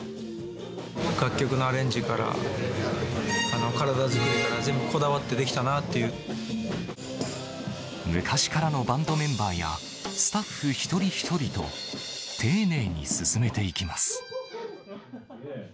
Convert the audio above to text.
楽曲のアレンジから、体作りから、昔からのバンドメンバーや、スタッフ一人一人と、丁寧に進めていきます。